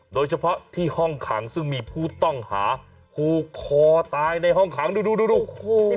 โดยเฉพาะที่ห้องขังซึ่งมีผู้ต้องหาผูกคอตายในห้องขังดูดูโอ้โห